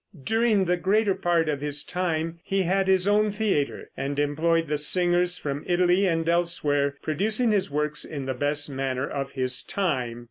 During the greater part of his time he had his own theater, and employed the singers from Italy and elsewhere, producing his works in the best manner of his time.